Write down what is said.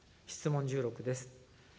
質問１６です。